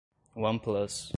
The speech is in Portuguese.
OnePlus